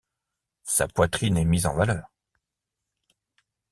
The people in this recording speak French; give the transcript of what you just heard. Sa poitrine est mise en valeur.